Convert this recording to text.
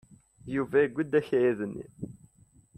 Yuba yewwi-d akayad-nni.